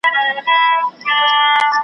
مست لکه رباب سمه، بنګ سمه، شراب سمه .